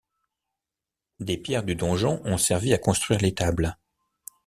Des pierres du donjon ont servi à construire l'étable.